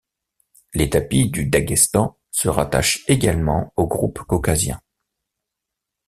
Les tapis du Daghestan se rattachent également au groupe caucasien.